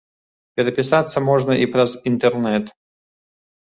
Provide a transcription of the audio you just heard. Перапісацца можна і праз інтэрнэт.